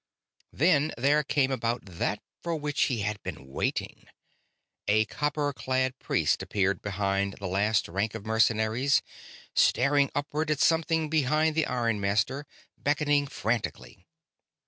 Then there came about that for which he had been waiting. A copper clad priest appeared behind the last rank of mercenaries, staring upward at something behind the ironmaster, beckoning frantically.